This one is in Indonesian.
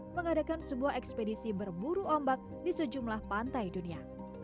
mengadakan sebuah ekspedisi berburu ombak di sejumlah pantai dunia